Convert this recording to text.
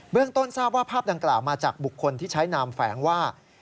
เรื่องต้นทราบว่าภาพดังกล่าวมาจากบุคคลที่ใช้นามแฝงว่า